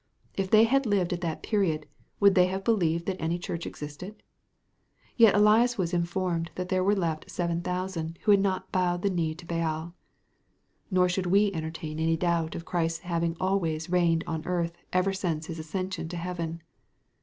If they had lived at that period, would they have believed that any Church existed? Yet Elias was informed that there were "left seven thousand" who had "not bowed the knee to Baal." Nor should we entertain any doubt of Christ's having always reigned on earth ever since his ascension to heaven.